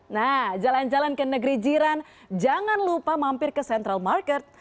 nah jalan jalan ke negeri jiran jangan lupa mampir ke central market